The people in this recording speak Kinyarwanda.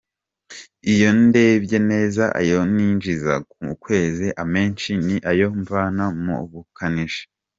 Iyo ndebye neza ayo ninjiza ku kwezi, amenshi ni ayo mvana mu bukanishi.